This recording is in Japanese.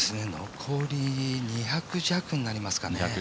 残り２００弱になりますかね。